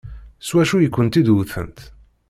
S wacu i kent-id-wtent?